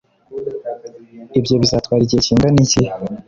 ibyo bizatwara igihe kingana iki